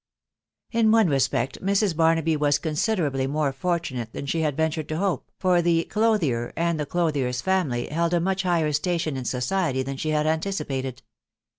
* Iff one respect Mrs. Barnaby was considerably more fortunate than she had ventured to hope, for the "clothier," and the clothier's family, held a much higher station in society than she ha$ anticipated.